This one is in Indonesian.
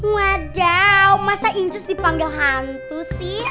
waduh masa incus dipanggil hantu sih